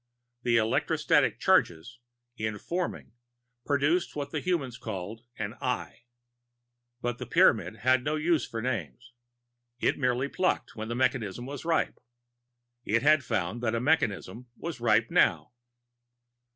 The electrostatic charges, in forming, produced what humans called an Eye. But the Pyramid had no use for names. It merely plucked, when a mechanism was ripe. It had found that a mechanism was ripe now.